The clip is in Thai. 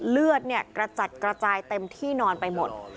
เลือดเนี่ยกระจัดกระจายเต็มที่นอนไปหมด